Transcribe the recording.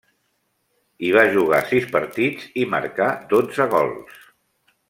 Hi va jugar sis partits, i marcà dotze gols.